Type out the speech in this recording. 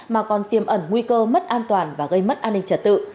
mà còn tiêm ẩn nguy cơ mất an toàn và gây mất an ninh trật tự